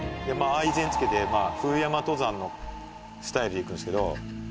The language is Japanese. アイゼン付けて冬山登山のスタイルで行くんですけど